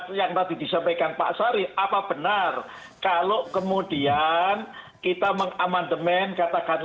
tentu yang disampaikan sebagai konsen itulah yang harus didiskusurkan